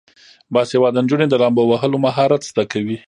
باسواده نجونې د لامبو وهلو مهارت زده کوي.